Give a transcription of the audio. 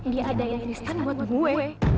diadainan istan buat gue